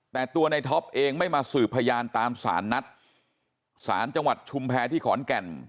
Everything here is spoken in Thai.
แต่ตัวในท็อปเองไม่มาสืบพยานตามสารนัดศาลจังหวัดชุมแพรที่ขอนแก่น